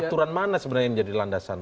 aturan mana sebenarnya yang menjadi landasan